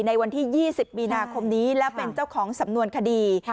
ในวันที่๒๐มีนาคมนี้และเป็นเจ้าของสำนวนคดี